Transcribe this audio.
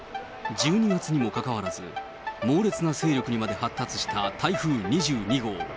１２月にもかかわらず、猛烈な勢力にまで発達した台風２２号。